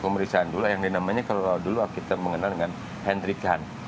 pemeriksaan dulu yang dinamainya kalau dulu kita mengenal dengan hendrikan